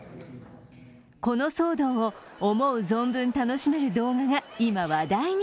この騒動を思う存分楽しめる動画が今話題に。